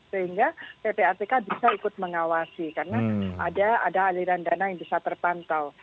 sehingga ppatk bisa ikut mengawasi karena ada aliran dana yang bisa terpantau